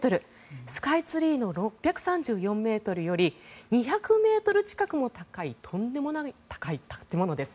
スカイツリーの６３４ｍより２００ｍ近くも高いとんでもなく高い建物です。